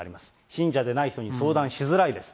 信者でない人に相談しづらいです。